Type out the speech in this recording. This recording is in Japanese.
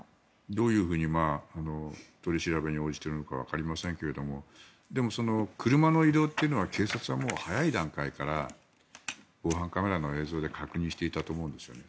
どういうふうに取り調べに応じているのかわかりませんけどもでも、車の移動というのは警察は早い段階から防犯カメラの映像で確認していたと思うんですよね。